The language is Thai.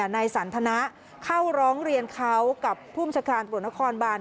ในสันทนาเข้าร้องเรียนเขากับผู้มจัดการบริวนครบาน